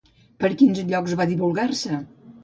Per quins llocs va divulgar-se?